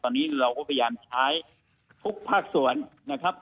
ตอนนี้เราก็พยายามใช้ทุกภาคส่วนนะครับ